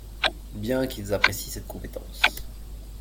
Bien qu’ils apprécient cette compétence.